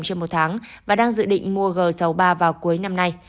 nam em đang dự định mua g sáu mươi ba vào cuối năm nay